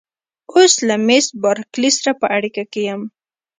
اوس له مېس بارکلي سره په اړیکه کې یم.